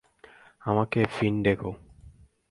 আমাকে ফিন ডেকো।